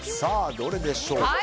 どれでしょうか。